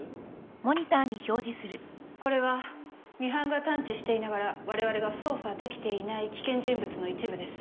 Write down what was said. これはミハンが探知していながらわれわれが捜査できていない危険人物の一部です。